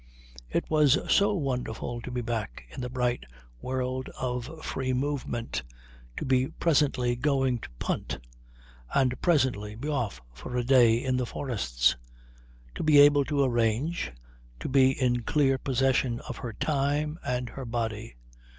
It was so wonderful to be back in the bright world of free movement, to be presently going to punt, and presently be off for a day in the forests, to be able to arrange, to be in clear possession of her time and her body.